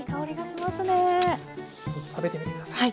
食べてみて下さい。